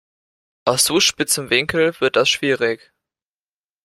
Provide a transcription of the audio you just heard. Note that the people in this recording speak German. Aus so spitzem Winkel wird das schwierig.